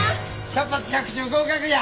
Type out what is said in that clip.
百発百中合格や！